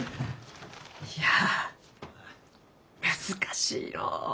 いや難しいのう。